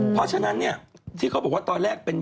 เพราะฉะนั้นที่เขาบอกว่าตอนแรกเป็นบ่อ